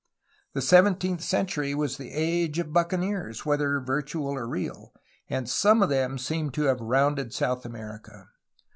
The seventeenth century was the age of buccaneers, whether virtual or real, and some of them seem to have rounded South America.